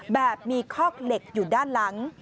แบบมีคอกเหล็กอยู่ด้านหลัง